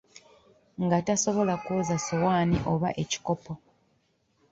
Nga tasobola kwoza ssowaani oba ekikopo.